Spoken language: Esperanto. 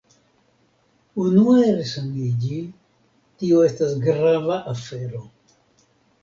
Unue resaniĝi, tio estas grava afero.